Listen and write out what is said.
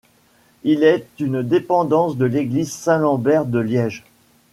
Il est une dépendance de l'église Saint-Lambert de Liège.